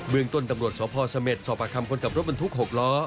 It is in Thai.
เบื้องต้นตำรวจสพสเมษสอบประคัมคนขับรถมันทุกข์หกล้อ